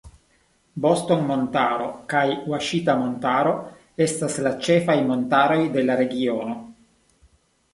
Boston-Montaro kaj Ŭaŝita-Montaro estas la ĉefaj montaroj de la regiono.